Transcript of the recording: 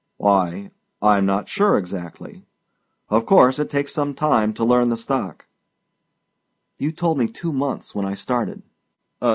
"Why I'm not sure exactly. Of course it takes some time to learn the stock." "You told me two months when I started."